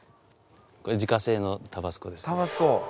これ自家製のタバスコです。